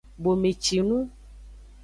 Bomecinu.